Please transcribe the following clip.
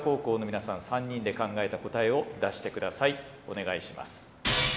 お願いします。